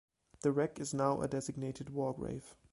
The wreck is now a designated war grave.